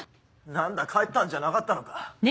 何だ帰ったんじゃなかったのか。